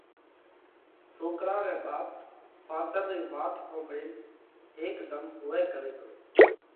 سوڪرا رئہ ٻاپ ڦازر رئِي وات ۿومۯينَ هيڪڌم هووَئہ ڪرئِي پرئِي